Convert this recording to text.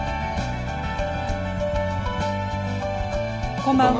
こんばんは。